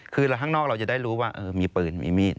คือข้างนอกเราจะได้รู้ว่ามีปืนมีมีด